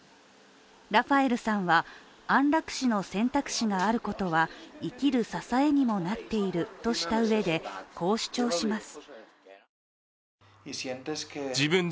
ラファエルさんは安楽死の選択があることは生きる支えにもなっているとしたうえでこう主張します。